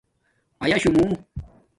ایاشس مُو